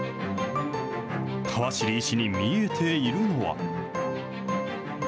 川尻医師に見えているのは。